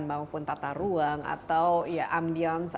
ataupun tata ruang atau ambience